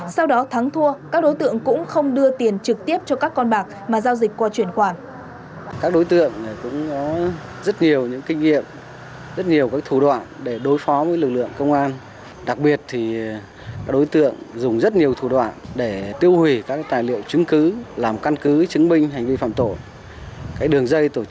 sau đó thắng thua các đối tượng cũng không đưa tiền trực tiếp cho các con bạc mà giao dịch qua chuyển quản